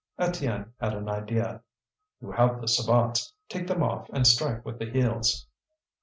Étienne had an idea. "You have the sabots. Take them off and strike with the heels."